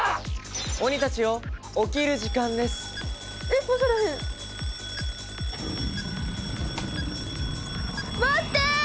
鬼達よ起きる時間ですえっ分からへん待って！